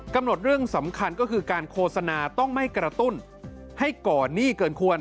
กำหนดเรื่องสำคัญก็คือการโฆษณาต้องไม่กระตุ้นให้ก่อนหนี้เกินควร